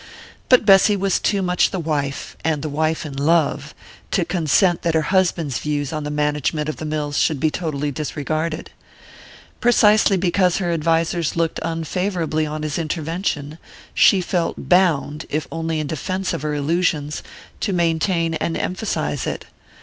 But Bessy was too much the wife and the wife in love to consent that her husband's views on the management of the mills should be totally disregarded. Precisely because her advisers looked unfavourably on his intervention, she felt bound if only in defense of her illusions to maintain and emphasize it.